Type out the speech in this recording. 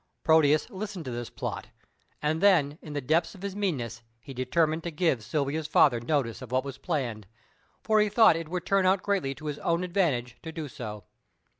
Proteus listened to this plot, and then in the depths of his meanness he determined to give Silvia's father notice of what was planned, for he thought it would turn out greatly to his own advantage to do so.